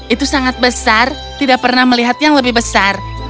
itu sangat besar tidak pernah melihat yang lebih besar